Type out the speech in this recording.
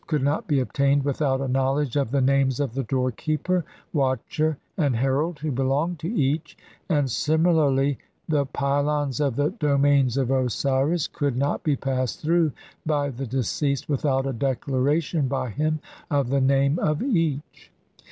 240) could not be obtained without a knowledge of the names of the doorkeeper, watcher, and herald who belonged to each ; and similarly, the pylons of the domains of Osiris (see p. 243 f.) could not be passed through by the deceased without a declaration by him of the name of each.